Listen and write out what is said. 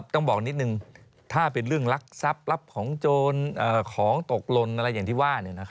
ต้องบอกนิดนึงถ้าเป็นเรื่องลักทรัพย์รับของโจรของตกลนอะไรอย่างที่ว่า